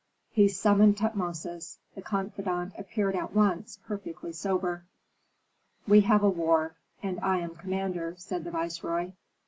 He summoned Tutmosis. The confidant appeared at once, perfectly sober. "We have a war, and I am commander," said the viceroy.